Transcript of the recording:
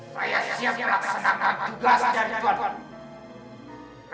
saya siap berkesan akan tugas dari tuhan